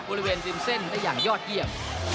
บริเวณริมเส้นได้อย่างยอดเยี่ยม